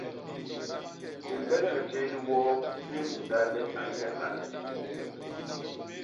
Lilegek jéé li woo li ñunda le a nyagal.